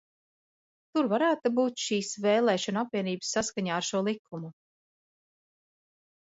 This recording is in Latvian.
Tur varētu būt šīs vēlēšanu apvienības saskaņā ar šo likumu.